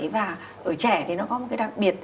và ở trẻ thì nó có một cái đặc biệt